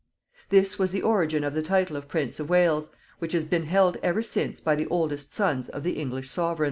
This was the origin of the title of Prince of Wales, which has been held ever since by the oldest sons of the English sovereigns.